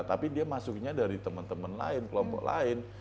tapi dia masuknya dari teman teman lain kelompok lain